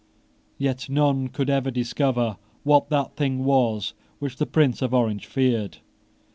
Yet none could ever discover what that thing was which the Prince of Orange feared.